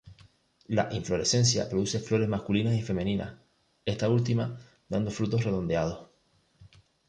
La inflorescencia produce flores masculinas y femeninas, esta última dando frutos redondeados.